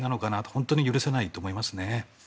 本当に許せないと思いますね。